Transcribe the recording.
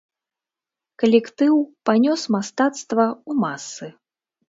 Калектыў панёс мастацтва ў масы.